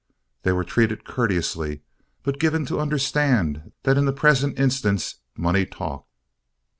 They were treated courteously, but given to understand that in the present instance money talked.